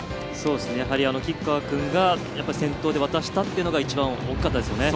やはり吉川君が先頭で渡したというのが一番、大きかったですよね。